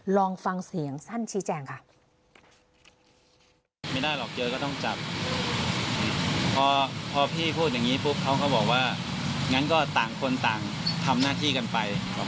ลองฟังเสียงสั้นชี้แจงค่ะ